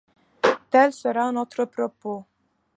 Tel sera notre propos.